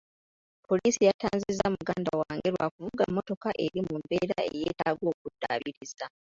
Poliisi yatanzizza muganda wange lwa kuvuga mmotoka eri mu mbeera eyetaaga okuddaabiriza.